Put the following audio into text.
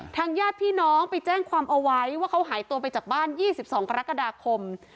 ญาติพี่น้องไปแจ้งความเอาไว้ว่าเขาหายตัวไปจากบ้าน๒๒กรกฎาคม